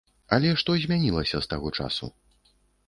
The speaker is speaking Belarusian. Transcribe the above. Але што змянілася з таго часу?